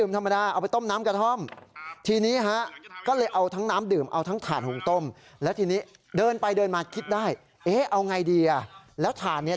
เอ๊ะเอาไงดีอ่ะแล้วถ่านเนี่ย